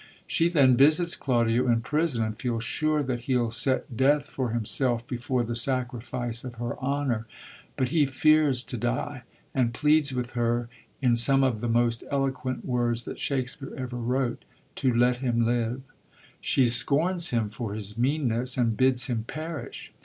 She then visits Claudio in prison, and feels sure that he'll set death for himself before the sacrifice of her honour ; but he fears to die, and pleads with her, in some of the most eloquent words that Shakspere ever wrote, to let him live. She scorns him for his meanness and bids him perish.